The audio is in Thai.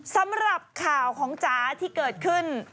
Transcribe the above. สำหรับข่าวของจ๋าที่เกิดขึ้น